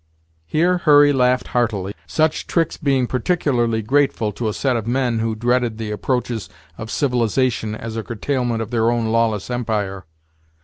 Here Hurry laughed heartily, such tricks being particularly grateful to a set of men who dreaded the approaches of civilization as a curtailment of their own lawless empire.